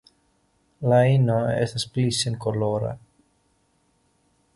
La ino estas pli senkolora.